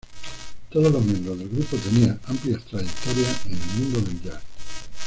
Todos los miembros del grupo tenían amplias trayectorias en el mundo del jazz.